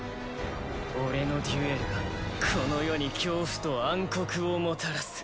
俺のデュエルがこの世に恐怖と暗黒をもたらす。